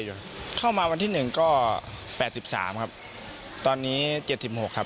เข้ามาวันที่หนึ่งก็แปดสิบสามครับตอนนี้เจ็ดสิบหกครับ